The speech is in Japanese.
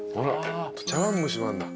茶わん蒸しもあるんだ。